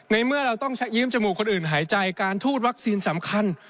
เมื่อเราต้องใช้ยิ้มจมูกคนอื่นหายใจการทูตวัคซีนสำคัญ